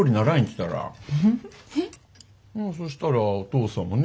そしたらお父さんもね